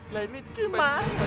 lah ini gimana